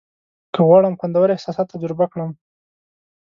که غواړم خوندور احساسات تجربه کړم.